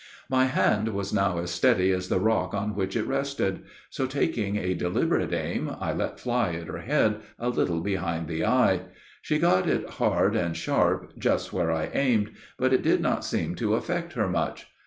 My hand was now as steady as the rock on which it rested; so, taking a deliberate aim, I let fly at her head, a little behind the eye. She got it hard and sharp, just where I aimed, but it did not seem to affect her much.